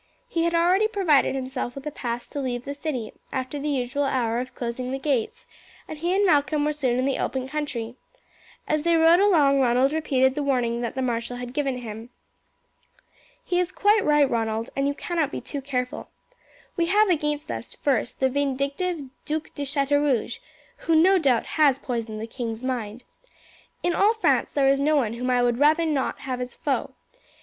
He had already provided himself with a pass to leave the city after the usual hour of closing the gates, and he and Malcolm were soon in the open country. As they rode along Ronald repeated the warning that the marshal had given him. "He is quite right, Ronald, and you cannot be too careful. We have against us, first, this vindictive Duc de Chateaurouge, who, no doubt, has poisoned the king's mind. In all France there is no one whom I would not rather have as a foe.